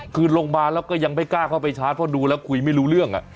คือลงมาแล้วก็ยังไม่กล้าเข้าไปชาร์จเพราะดูแล้วคุยไม่รู้เรื่อง